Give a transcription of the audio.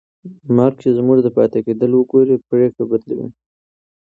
مرګ چې زموږ پاتې کېدل وګوري، پرېکړه بدلوي.